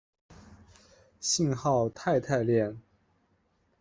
信号肽肽链。